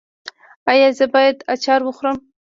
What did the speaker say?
ایا زه باید اچار وخورم؟